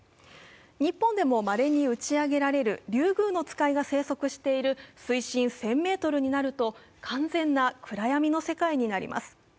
日本でも、まれに打ち上げられるリュウグウノツカイが生息している水深１０００ｍになると完全な暗闇の世界になります。